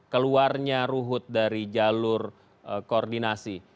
keluarnya ruhut dari jalur koordinasi